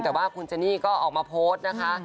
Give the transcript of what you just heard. แต่ว่าคุณเจนี่ก็ออกมาโพสต์นะคะ